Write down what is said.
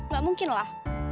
gak mungkin lah